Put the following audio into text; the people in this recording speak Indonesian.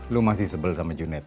lo masih sebel sama junet